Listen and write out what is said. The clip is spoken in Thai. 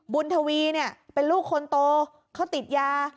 บุนทวีเป็นลูกคนโตเขาติดยา